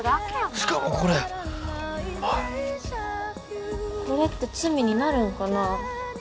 しかもこれこれって罪になるんかな？